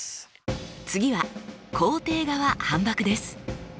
次は肯定側反ばくです。